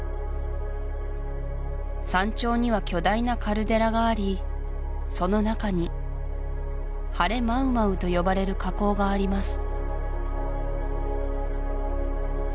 山頂には巨大なカルデラがありその中にハレマウマウと呼ばれる火口があります